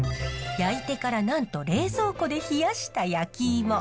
焼いてからなんと冷蔵庫で冷やした焼きイモ。